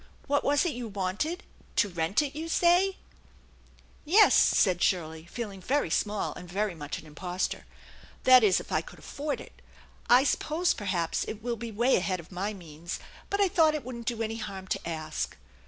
What was it you wanted? To rent it, you say ?"" Yes," said Shirley, feeling very small and very much an impostor; "that is, if I could afford it. I suppose perhaps it will be way ahead of my means, but I thought it wouldn't do any harm to ask."